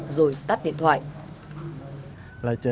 rồi tắt điện thoại